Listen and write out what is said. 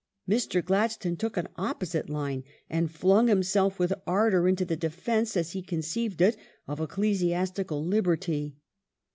^ Mr. Glad stone took an opposite line and flung himself with ardour into the defence, as he conceived it, of ecclesiastical liberty.